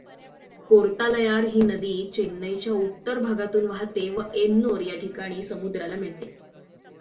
कोर्तालयार ही नदी चेन्नईच्या उत्तर भागातून वाहाते व एन्नोर या ठिकाणी समुद्राला मिळते.